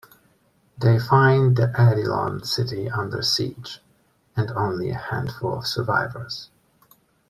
They find the Eidelon city under siege, and only a handful of survivors.